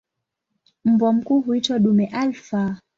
Mbwa mkuu huitwa "dume alfa".